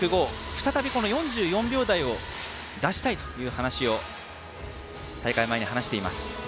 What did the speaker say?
再び、４４秒台を出したいという話を大会前に話しています。